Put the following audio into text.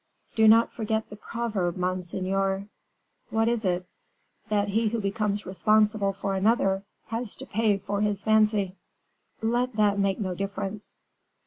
"Do not forget the proverb, monseigneur." "What is it?" "That he who becomes responsible for another has to pay for his fancy." "Let that make no difference."